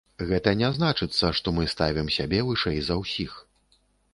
Гэта не значыцца, што мы ставім сябе вышэй за ўсіх.